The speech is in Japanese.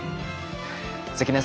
関根さん